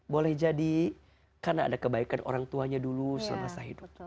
boleh jadi karena ada kebaikan orang tuanya dulu selama sehidup